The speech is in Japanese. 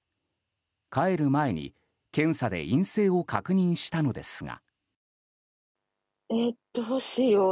帰る前に検査で陰性を確認したのですが。